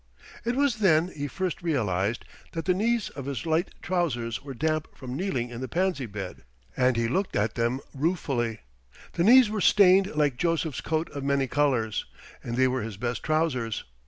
It was then he first realized that the knees of his light trousers were damp from kneeling in the pansy bed, and he looked at them ruefully. The knees were stained like Joseph's coat of many colors, and they were his best trousers.